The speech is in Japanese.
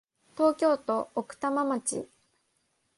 東京都奥多摩町